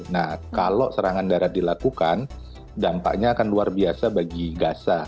nah kalau serangan darat dilakukan dampaknya akan luar biasa bagi gaza